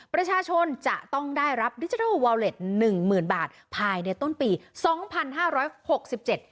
ประชาชนจะต้องได้รับดิจิทัลวอลเล็ตหนึ่งหมื่นบาทภายในต้นปีสองพันห้าร้อยหกสิบเจ็ด